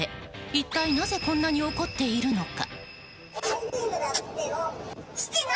一体、なぜこんなに怒っているのか？